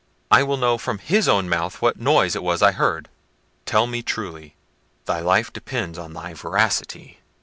I will know from his own mouth what noise it was I heard. Tell me truly; thy life depends on thy veracity."